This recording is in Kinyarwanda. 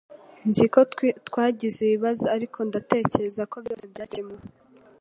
Nzi ko twagize ibibazo ariko ndatekereza ko byose byakemuwe